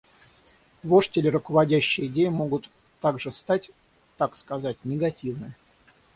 Вождь или руководящая идея могут также стать, так сказать, негативны.